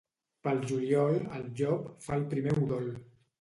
Pel juliol, el llop fa el primer udol.